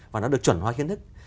và nó được chuẩn hóa kiến thức